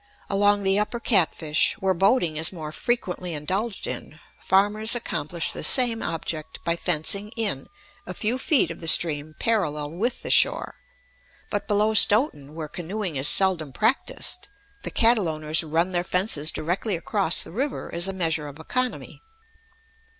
Along the upper Catfish, where boating is more frequently indulged in, farmers accomplish the same object by fencing in a few feet of the stream parallel with the shore. But below Stoughton, where canoeing is seldom practiced, the cattle owners run their fences directly across the river as a measure of economy.